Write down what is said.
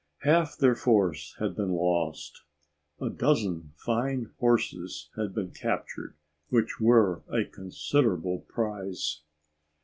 Half their force had been lost. A dozen fine horses had been captured, which were a considerable prize.